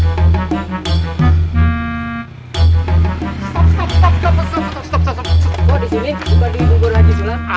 buka diunggur lagi sulam